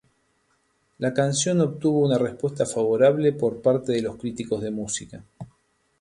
La canción obtuvo una respuesta favorable por parte de los críticos de música.